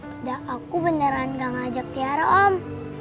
tidak aku beneran gak ngajak tiara om